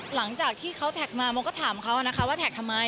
หลังจากที่เขาแท็กมาโมก็ถามเขานะคะว่าแท็กทำไม